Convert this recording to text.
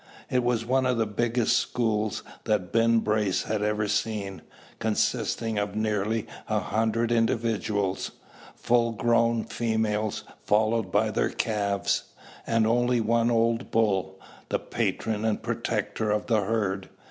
It was one of the biggest "schools" that Ben Brace had ever seen, consisting of nearly a hundred individuals, full grown females, followed by their "calves," and only one old bull, the patron and protector of the herd.